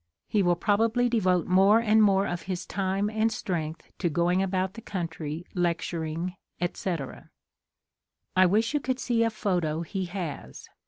He will probably devote more and more of his time and strength to going about the country lecturing, etc. I wish you could see a photo he has.